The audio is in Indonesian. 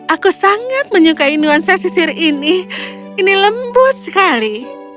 aku sangat menyukai nuansa sisir ini ini lembut sekali